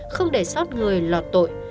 không để sót người lọt tội